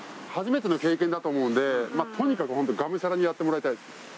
初めての経験だと思うのでとにかく本当にがむしゃらにやってもらいたいです。